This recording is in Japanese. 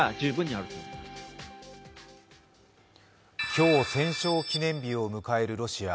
今日、戦勝記念日を迎えるロシア。